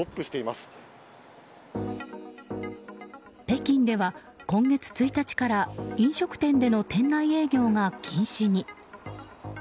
北京では今月１日から飲食店での店内営業が禁止に。